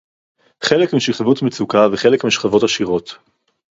חלק משכבות מצוקה וחלק משכבות עשירות